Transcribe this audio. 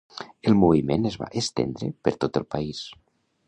El moviment es va estendre per tot el país.